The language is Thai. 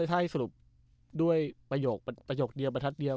ถ้าให้สรุปด้วยประโยคเดียว